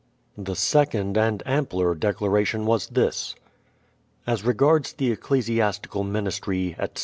The second and ampler declaration was this: As regards the Ecclesiastical ministry, etc.